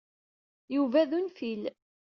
Yuba d unfil.